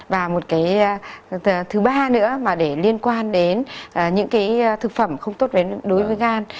và một cái thứ ba nữa mà để liên quan đến những cái thực phẩm không tốt đối với gan